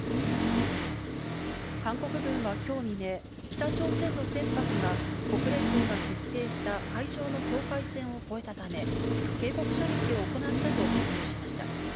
韓国軍は今日未明、北朝鮮の船舶が国連軍が設定した海上の境界線を越えたため、警告射撃を行ったと発表しました。